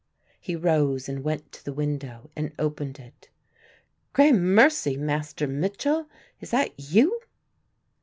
He rose and went to the window and opened it. "Gramercy, Master Mitchell, is that you?"